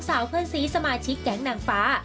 เพื่อนสีสมาชิกแก๊งนางฟ้า